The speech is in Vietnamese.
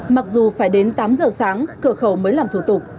mặc dù phải đến tám giờ sáng cửa khẩu mới làm thủ tục